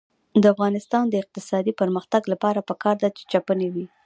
د افغانستان د اقتصادي پرمختګ لپاره پکار ده چې چپنې وي.